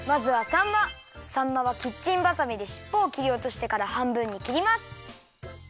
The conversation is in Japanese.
さんまはキッチンばさみでしっぽをきりおとしてからはんぶんにきります。